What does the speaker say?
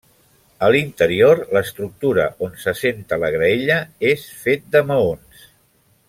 A l'interior, l'estructura on s'assenta la graella és fet de maons.